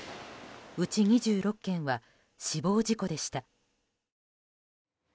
うち２６件は死亡事故でした。